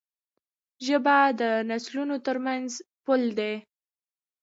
ژبه د نسلونو ترمنځ پُل دی.